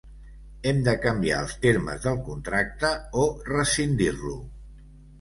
Hem de canviar els termes del contracte o rescindir-lo